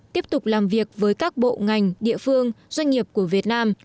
tiếp tục làm việc với các bộ ngành địa phương doanh nghiệp của việt nam